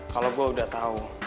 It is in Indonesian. kalo gue udah tau